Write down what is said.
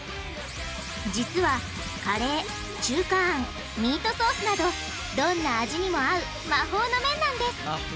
実はカレー中華あんミートソースなどどんな味にも合う魔法の麺なんです！